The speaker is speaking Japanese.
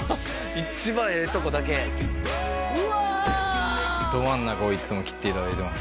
一番ええとこだけうわど真ん中をいつも切っていただいてます